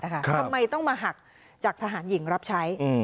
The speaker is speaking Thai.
ทำไมต้องมาหักจากทหารหญิงรับใช้